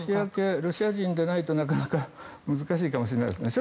ロシア人でないとなかなか難しいかもしれないですね。